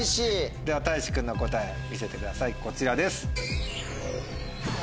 ではたいし君の答え見せてくださいこちらです。